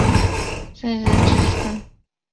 斛斯椿之孙。